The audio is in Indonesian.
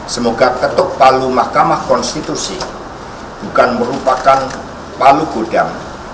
semoga ketuk palu mahkamah konstitusi bukan merupakan palu gudang